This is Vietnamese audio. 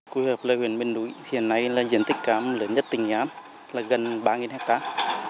quỳ hợp là huyện bình đúi hiện nay là diện tích cam lớn nhất tỉnh giám gần ba hectare